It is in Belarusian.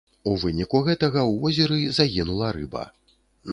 У выніку гэтага ў возеры загінула рыба.